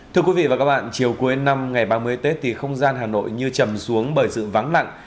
thưa quý vị và các bạn chiều cuối năm ngày ba mươi tết thì không gian hà nội như chầm xuống bởi sự vắng lặng